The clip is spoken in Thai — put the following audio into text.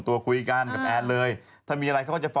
อ้าวแล้วทำไมอ้อนหายไปอ่ะฮะ